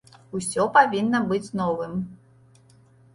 Усё павінна быць новым.